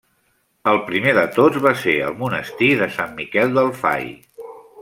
El primer de tots va ser el monestir de Sant Miquel del Fai.